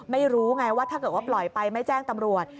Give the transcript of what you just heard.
ไม่รู้ไงว่าถ้าเกิดว่าปล่อยไปไม่แจ้งตำรวจ